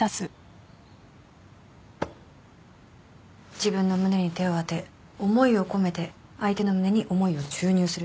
自分の胸に手を当て思いを込めて相手の胸に思いを注入する。